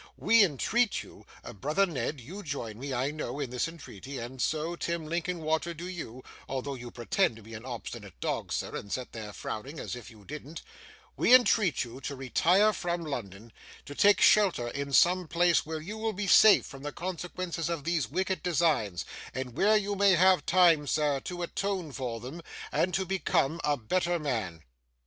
We entreat you brother Ned, you join me, I know, in this entreaty, and so, Tim Linkinwater, do you, although you pretend to be an obstinate dog, sir, and sit there frowning as if you didn't we entreat you to retire from London, to take shelter in some place where you will be safe from the consequences of these wicked designs, and where you may have time, sir, to atone for them, and to become a better man.